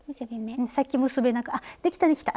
さっき結べなかあっできたできた。